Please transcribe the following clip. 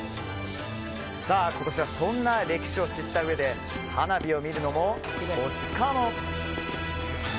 今年はそんな歴史を知ったうえで花火を見るのもオツかも？